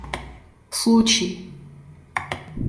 случай